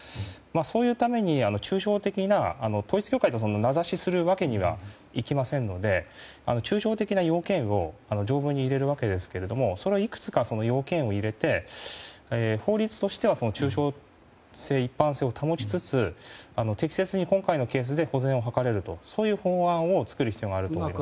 そういうために統一教会と名指しするわけにはいきませんので抽象的な要件を条文に入れるわけですがそれはいくつか、要件を入れて法律としては抽象性一般性を保ちつつ適切に今回のケースで保全ができるという法案を作る必要がありますね。